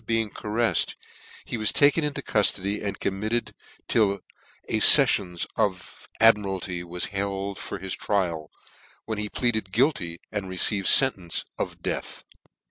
being carcflrd, he was taken into cuftody, and committed till a ftflions of Admiralty was he Id for his trial, when he pleaded guilty, and received fentence of death.